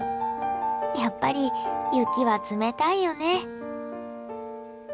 やっぱり雪は冷たいよね。